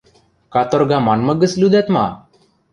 — Каторга манмы гӹц лӱдӓт ма?!